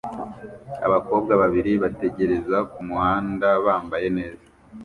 Abakobwa babiri bategereza kumuhanda bambaye neza